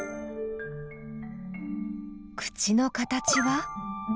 口の形は？